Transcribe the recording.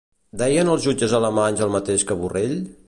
Deien els jutges alemanys el mateix que Borrell?